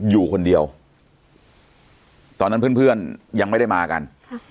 อยู่คนเดียวตอนนั้นเพื่อนเพื่อนยังไม่ได้มากัน